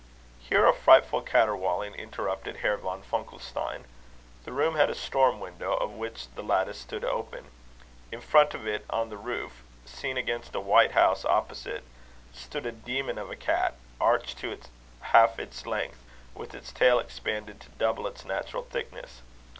Here a frightful caterwauling interrupted Herr von Funkelstein. The room had a storm window, of which the lattice stood open. In front of it, on the roof, seen against a white house opposite, stood a demon of a cat, arched to half its length, with a tail expanded to double its natural thickness.